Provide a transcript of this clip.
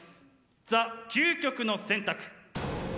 ザ・究極の選択！